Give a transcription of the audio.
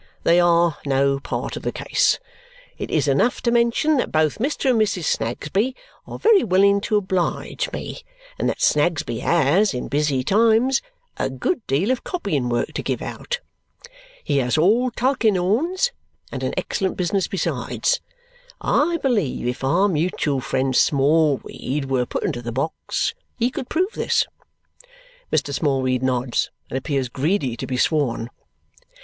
They are no part of the case. It is enough to mention that both Mr. and Mrs. Snagsby are very willing to oblige me and that Snagsby has, in busy times, a good deal of copying work to give out. He has all Tulkinghorn's, and an excellent business besides. I believe if our mutual friend Smallweed were put into the box, he could prove this?" Mr. Smallweed nods and appears greedy to be sworn.